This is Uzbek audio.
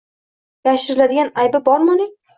Yashiriladigan aybi bormi uning?